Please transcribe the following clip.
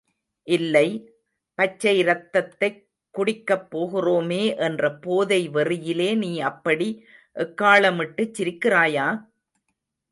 இல்லை, பச்சை ரத்தத்தைக் குடிக்கப் போகிறோமே என்ற போதை வெறியிலே நீ அப்படி எக்காளமிட்டுச் சிரிக்கிறாயா?